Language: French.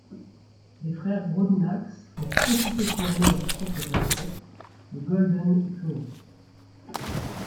Les frères Broadnax ont aussitôt formé leur propre quartet, le Golden Echoes.